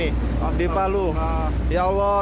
astagfirullahaladzim ya allah